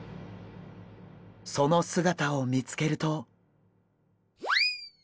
その姿を見つけると。